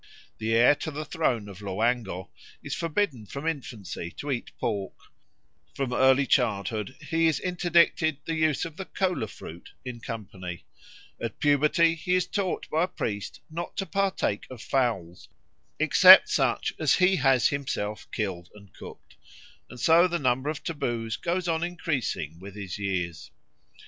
The heir to the throne of Loango is forbidden from infancy to eat pork; from early childhood he is interdicted the use of the cola fruit in company; at puberty he is taught by a priest not to partake of fowls except such as he has himself killed and cooked; and so the number of taboos goes on increasing with his years.